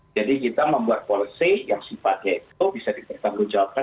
jadi kita membuat polisi yang sifatnya itu bisa ditanggung jawabkan